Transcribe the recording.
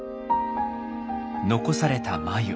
残された繭。